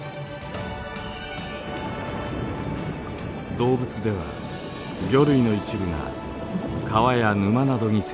動物では魚類の一部が川や沼などに生息していました。